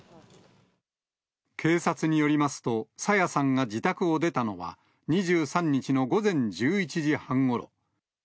警察によりますと、朝芽さんが自宅を出たのは、２３日の午前１１時半ごろ。